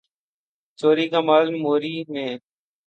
چوری کا مال موری میں